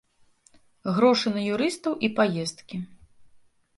Грошы на юрыстаў і паездкі.